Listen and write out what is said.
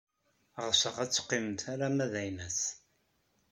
Ɣseɣ ad teqqimemt arma d aynas.